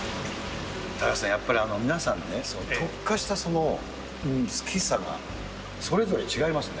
高橋さん、やっぱり皆さんね、特化した好きさがそれぞれ違いますね。